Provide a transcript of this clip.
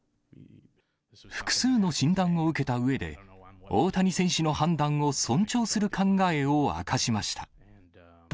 複数の診断を受けたうえで、大谷選手の判断を尊重する考えを明かしました。